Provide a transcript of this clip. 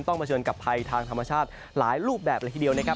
เผชิญกับภัยทางธรรมชาติหลายรูปแบบเลยทีเดียวนะครับ